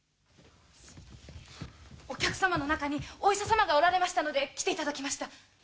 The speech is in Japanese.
お客さまの中にお医者さまがおられましたので来ていただきました。